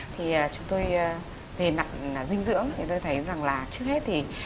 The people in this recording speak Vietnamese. thì chúng tôi về mặt dinh dưỡng thì tôi thấy rằng là trước hết thì